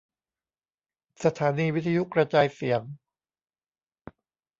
สถานีวิทยุกระจายเสียง